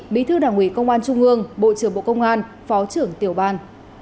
bí thư đảng ủy công an trung ương bộ trưởng bộ công an phó trưởng tiểu ban